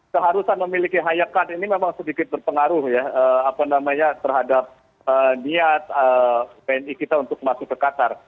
keharusan memiliki hayakat ini memang sedikit berpengaruh ya terhadap niat wni kita untuk masuk ke qatar